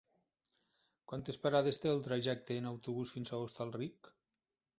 Quantes parades té el trajecte en autobús fins a Hostalric?